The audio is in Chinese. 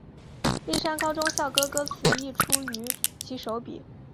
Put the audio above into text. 丽山高中校歌歌词亦出于其手笔。